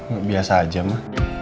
gak biasa aja ma